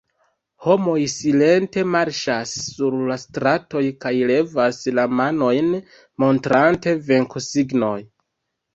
Homoj silente marŝas sur la stratoj kaj levas la manojn montrante venkosignon.